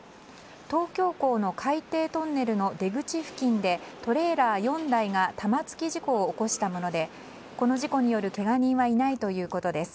東京港の海底トンネルの出口付近でトレーラー４台が玉突き事故を起こしたものでこの事故によるけが人はいないということです。